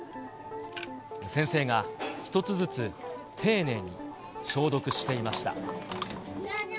先生が一つずつ丁寧に消毒していました。